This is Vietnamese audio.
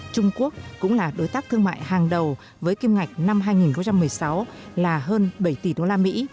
trung quốc cũng là đối tác thương mại hàng đầu với kim ngạch năm hai nghìn một mươi sáu là hơn bảy tỷ đô la mỹ